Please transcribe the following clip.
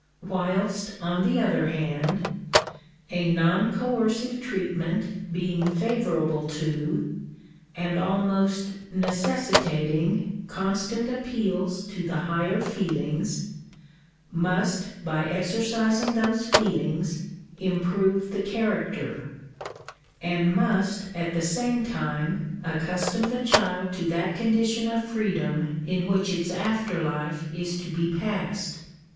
Whilst, on the other hand, a non coercive treatment being favourable to, and almost necessi Digitized by VjOOQIC 192 THE RIGHTS OF CHILDREN. taring, constant appeals to the higher feelings, must, by exer cising those feelings, improve the character ; and must, at the same time, accustom the child to that condition of freedom in which its after life is to be passed.